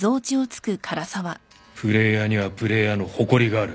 プレーヤーにはプレーヤーの誇りがある。